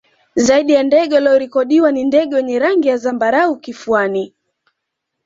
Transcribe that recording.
Zaidi ya ndege waliorikodiwa ni ndege wenye rangi ya zambarau kifuani